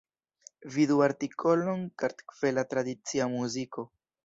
Vidu artikolon Kartvela tradicia muziko.